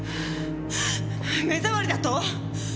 目障りだと？